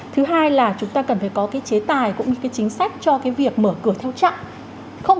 thứ hai là chúng ta cần phải có cái chế tài cũng như cái chính sách cho cái việc mở cửa theo chặng